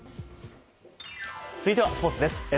続いてはスポーツです。